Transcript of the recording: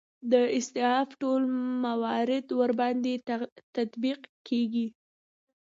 د استعفا ټول موارد ورباندې تطبیق کیږي.